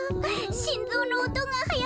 しんぞうのおとがはやすぎる。